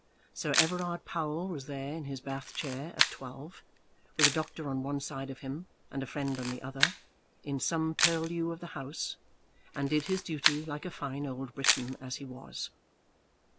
Sir Everard Powell was there in his bath chair at twelve, with a doctor on one side of him and a friend on the other, in some purlieu of the House, and did his duty like a fine old Briton as he was.